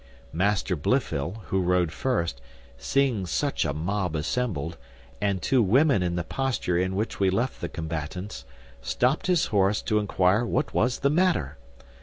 Master Blifil, who rode first, seeing such a mob assembled, and two women in the posture in which we left the combatants, stopt his horse to enquire what was the matter.